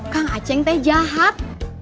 kang aceh teh jahat